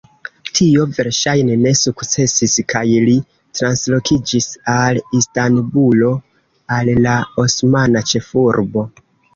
Tio verŝajne ne sukcesis kaj li translokiĝis al Istanbulo, al la osmana ĉefurbo.